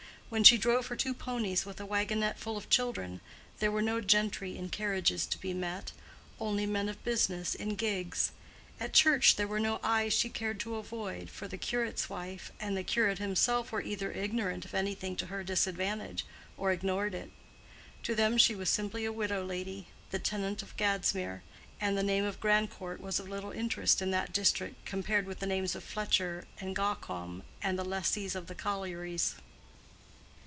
When she drove her two ponies with a waggonet full of children, there were no gentry in carriages to be met, only men of business in gigs; at church there were no eyes she cared to avoid, for the curate's wife and the curate himself were either ignorant of anything to her disadvantage, or ignored it: to them she was simply a widow lady, the tenant of Gadsmere; and the name of Grandcourt was of little interest in that district compared with the names of Fletcher and Gawcome, the lessees of the collieries.